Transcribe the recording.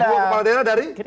dua kepala daerah dari